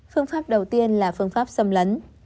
phương pháp đầu tiên là phương pháp xâm lấn